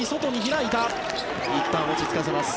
いったん落ち着かせます。